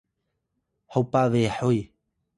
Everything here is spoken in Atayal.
hopa behuy